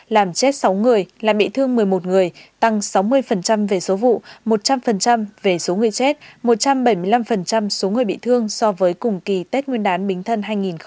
làm chết sáu người làm bị thương một mươi một người tăng sáu mươi về số vụ một trăm linh về số người chết một trăm bảy mươi năm số người bị thương so với cùng kỳ tết nguyên đán bính thân hai nghìn một mươi chín